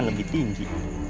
gue kan lebih tinggi